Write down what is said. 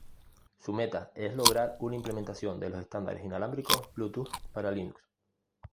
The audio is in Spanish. Su meta es lograr una implementación de los estándares inalámbricos Bluetooth para Linux.